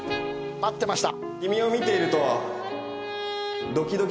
待ってました。